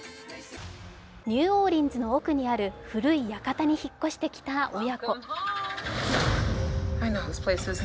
ニューオーリンズの奥にある古い館に引っ越してきた親子。